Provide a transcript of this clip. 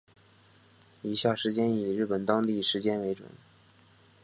以下时间以日本当地时间为准